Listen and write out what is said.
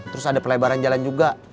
terus ada pelebaran jalan juga